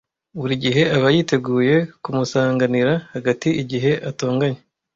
Buri gihe aba yiteguye kumusanganira hagati igihe atonganye.